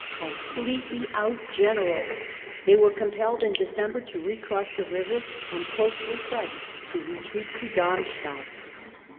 Completely outgeneralled, they were compelled in December to recross the river and, closely pressed, to retreat to Darmstadt.